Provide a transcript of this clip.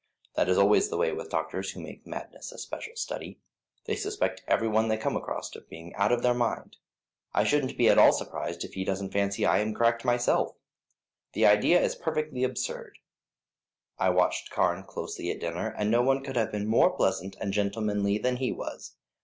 That is always the way with doctors who make madness a special study. They suspect every one they come across of being out of their mind. I shouldn't be at all surprised if he doesn't fancy I am cracked myself. The idea is perfectly absurd. I watched Carne closely at dinner, and no one could have been more pleasant and gentlemanly than he was.